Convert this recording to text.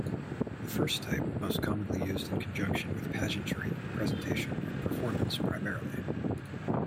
The first type most commonly used in conjunction with pageantry, presentation and performance primarily.